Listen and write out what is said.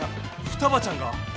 ふたばちゃんが？